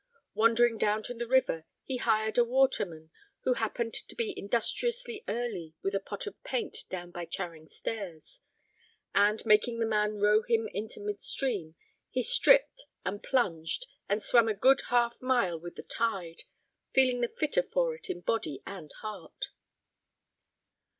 Wandering down to the river, he hired a waterman who happened to be industriously early with a pot of paint down by Charing Stairs, and, making the man row him into mid stream, he stripped and plunged, and swam a good half mile with the tide, feeling the fitter for it in body and heart.